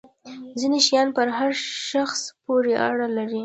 ځینې شیان پر هر شخص پورې اړه لري.